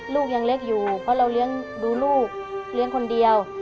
ลูกยังเล็กอยู่เพราะเราเลี้ยงดูลูกเลี้ยงคนเดียว